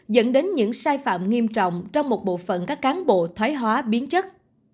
dẫn đến những sai phạm nghiêm trọng trong một bộ phận các cán bộ thoái hóa biến chất